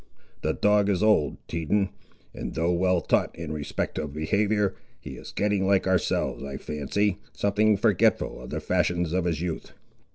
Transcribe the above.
The dog is old, Teton; and though well taught in respect of behaviour, he is getting, like ourselves, I fancy, something forgetful of the fashions of his youth."